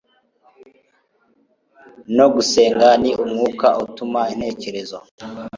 no gusenga ni umwuka utuma intekerezo